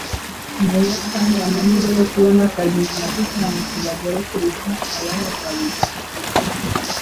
mu buyapani, amahirwe yo kubona akazi ni make cyane ku bagore kurusha ay'abagabo